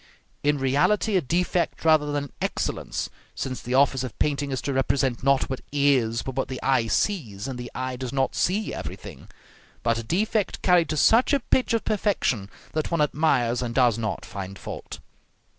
In reality a defect rather than an excellence, since the office of painting is to represent not what is, but what the eye sees, and the eye does not see everything; but a defect carried to such a pitch of perfection that one admires, and does not find fault.